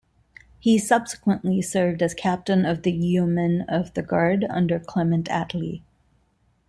He subsequently served as Captain of the Yeomen of the Guard under Clement Attlee.